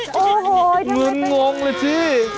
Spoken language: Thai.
โอ้โหทำไมตัวนี้มึงงงเลยสิ